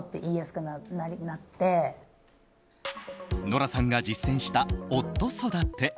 ノラさんが実践した夫育て。